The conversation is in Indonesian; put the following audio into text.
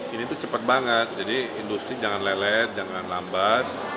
ini tuh cepat banget jadi industri jangan lelet jangan lambat